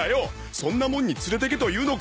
そんなもんに連れてけというのか？